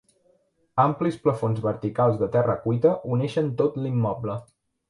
Amplis plafons verticals de terra cuita uneixen tot l'immoble.